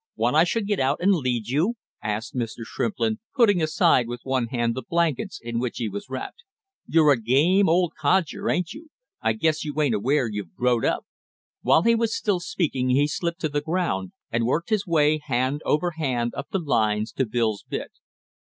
"Want I should get out and lead you?" asked Mr. Shrimplin, putting aside with one hand the blankets in which he was wrapped. "You're a game old codger, ain't you? I guess you ain't aware you've growed up!" While he was still speaking he slipped to the ground and worked his way hand over hand up the lines to Bill's bit.